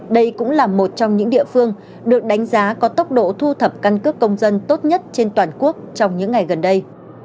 đây cũng là một trong những địa phương được đánh giá có tốc độ thu thập căn cước công dân tốt nhất trên toàn quốc trong những ngày gần đây